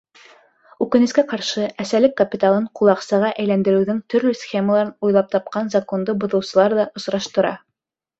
Үкенескә ҡаршы, әсәлек капиталын ҡулаҡсаға әйләндереүҙең төрлө схемаларын уйлап тапҡан законды боҙоусылар ҙа осраштыра.